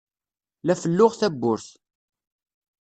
La felluɣ tawwurt.